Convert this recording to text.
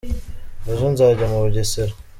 Ejo nzajya mu Bugesera.